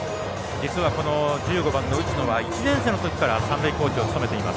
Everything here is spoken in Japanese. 実は、１５番の内野は１年生のときから三塁コーチを務めています。